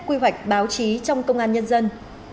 quy hoạch báo chí trong công an nhân dân